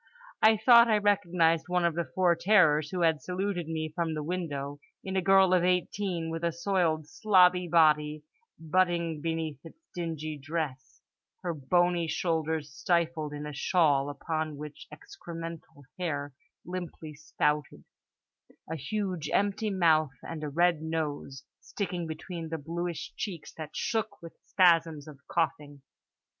I thought I recognised one of the four terrors who had saluted me from the window, in a girl of 18 with a soiled slobby body huddling beneath its dingy dress; her bony shoulders stifled in a shawl upon which excremental hair limply spouted; a huge empty mouth; and a red nose, sticking between the bluish cheeks that shook with spasms of coughing.